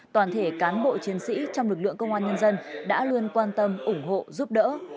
toàn thể cán bộ chiến sĩ trong lực lượng công an nhân dân đã luôn quan tâm ủng hộ giúp đỡ